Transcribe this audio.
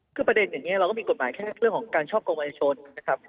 คือประเด็นอย่างนี้เราก็มีกฎหมายแค่เรื่องของการช่อกงอายชนนะครับ